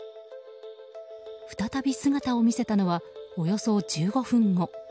再び姿を見せたのはおよそ１５分後。